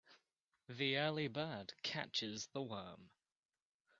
The early bird catches the worm.